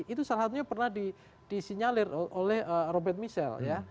itu salah satunya pernah disinyalir oleh robert mischel ya